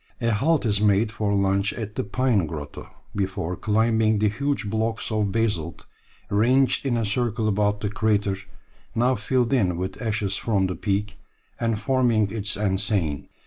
A halt is made for lunch at the Pine grotto before climbing the huge blocks of basalt ranged in a circle about the crater, now filled in with ashes from the peak, and forming its enceinte.